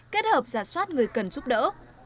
kết hợp giả soát người cần giúp đỡ